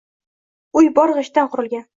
Uy bor gʼishtdan qurilgan.